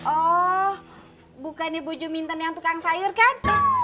oh bukannya bu juminton yang tukang sayur kan